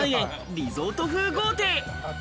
リゾート風豪邸。